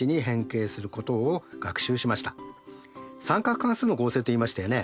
三角関数の合成と言いましたよね。